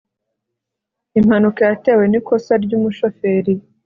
impanuka yatewe nikosa ryumushoferi